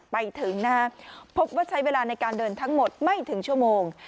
ไปถึงนะฮะพบว่าใช้เวลาในการเดินทั้งหมดไม่ถึงชั่วโมง